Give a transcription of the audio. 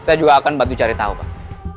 saya juga akan bantu cari tahu pak